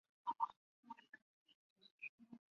长角大锹形虫生物。